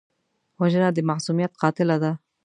وژنه د معصومیت قاتله ده